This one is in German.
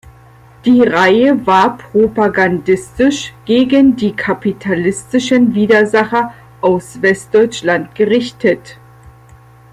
Die Reihe war propagandistisch gegen die kapitalistischen Widersacher aus Westdeutschland gerichtet.